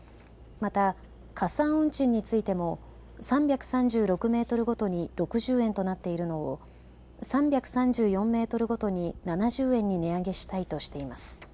また、加算運賃についても３３６メートルごとに６０円となっているのを３３４メートルごとに７０円に値上げしたいとしています。